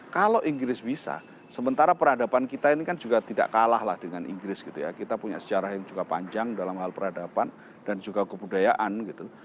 kalau inggris bisa sementara peradaban kita ini kan juga tidak kalah lah dengan inggris gitu ya kita punya sejarah yang juga panjang dalam hal peradaban dan juga kebudayaan gitu